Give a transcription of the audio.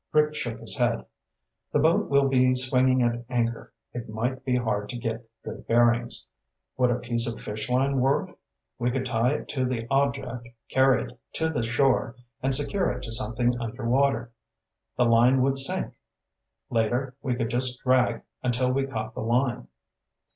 Rick shook his head. "The boat will be swinging at anchor. It might be hard to get good bearings. Would a piece of fish line work? We could tie it to the object, carry it to the shore, and secure it to something underwater. The line would sink. Later, we could just drag until we caught the line."